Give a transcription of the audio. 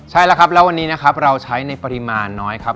ใช่แล้วครับแล้ววันนี้นะครับเราใช้ในปริมาณน้อยครับ